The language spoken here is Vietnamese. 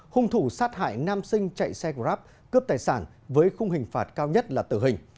hung thủ sát hại nam sinh chạy xe grab cướp tài sản với khung hình phạt cao nhất là tử hình